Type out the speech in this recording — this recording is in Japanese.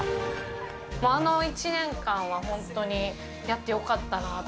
あの１年間は本当にやってよかったなと。